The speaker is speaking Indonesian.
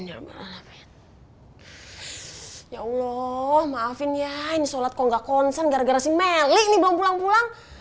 ya allah maafin ya ini sholat kok gak konsen gara gara si meli nih belum pulang pulang